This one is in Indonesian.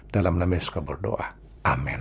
dalam nama yang suka berdoa amin